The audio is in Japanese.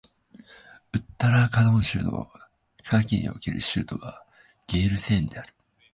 ウッタラーカンド州の夏季における州都はゲールセーンである